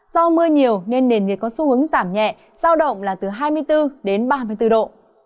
do mưa nhiều nên nền nhiệt có xu hướng giảm nhẹ giao động là từ hai mươi bốn đến ba mươi bốn độ